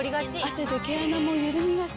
汗で毛穴もゆるみがち。